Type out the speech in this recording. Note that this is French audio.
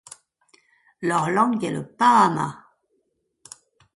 Leur langue est le paama.